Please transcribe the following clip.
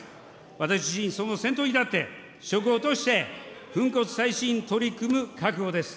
私自身その先頭に立って、職を賭して粉骨砕身取り組む覚悟です。